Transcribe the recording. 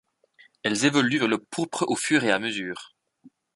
Elles évoluent vers le pourpre au fur et à mesure.